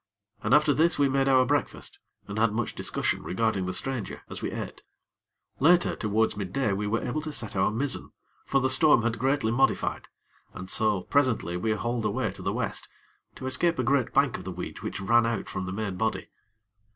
And after this we made our breakfast, and had much discussion regarding the stranger, as we ate. Later, towards midday, we were able to set our mizzen; for the storm had greatly modified, and so, presently, we hauled away to the West, to escape a great bank of the weed which ran out from the main body.